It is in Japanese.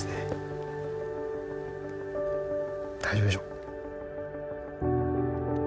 大丈夫でしょう。